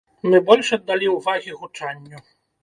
Мы больш аддалі ўвагі гучанню.